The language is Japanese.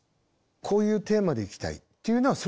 こういうテーマでいきたいっていうのはそれはいい。